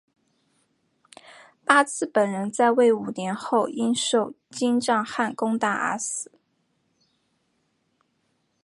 八剌本人在位五年后因受金帐汗攻打而死。